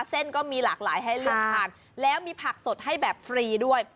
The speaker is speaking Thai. เส้นก็มีหลากหลายให้เลือกทานแล้วมีผักสดให้แบบฟรีด้วย